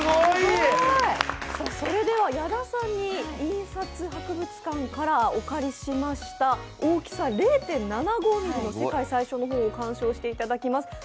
矢田さんに印刷博物館からお借りしました大きさ０．７５ｍｍの世界最小の本を観賞していただきます。